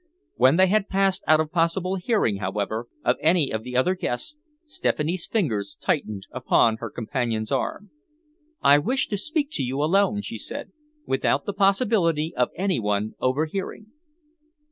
When they had passed out of possible hearing, however, of any of the other guests, Stephanie's fingers tightened upon her companion's arm. "I wish to speak to you alone," she said, "without the possibility of any one overhearing."